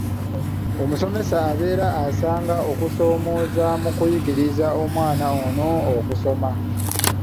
Omusomesa abeera asanga okusoomooza mu kuyigiriza omwana ono okusoma.